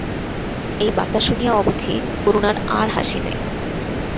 এই বার্তা শুনিয়া অবধি করুণার আর হাসি নাই।